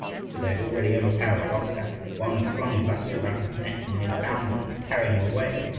But they had already overpowered Ostap; one had flung his lasso about his neck, and they had bound him, and were carrying him away.